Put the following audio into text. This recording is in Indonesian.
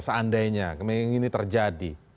seandainya ini terjadi